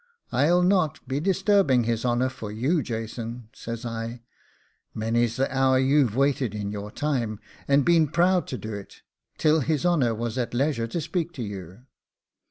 'I'll not be disturbing his honour for you, Jason,' says I; 'many's the hour you've waited in your time, and been proud to do it, till his honour was at leisure to speak to you.